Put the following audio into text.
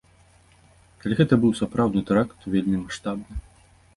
Калі гэта быў сапраўды тэракт, то вельмі маштабны.